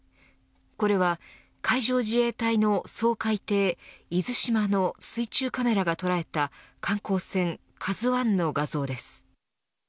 これは海上自衛隊の掃海艇いずしまの水中カメラが捉えた観光船ＫＡＺＵ１の画像です。